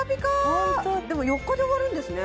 ホントでも４日で終わるんですね